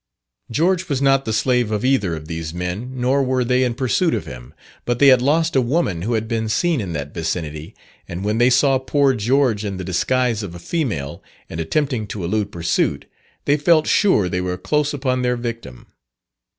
George was not the slave of either of these men, nor were they in pursuit of him, but they had lost a woman who had been seen in that vicinity, and when they saw poor George in the disguise of a female, and attempting to elude pursuit, they felt sure they were close upon their victim.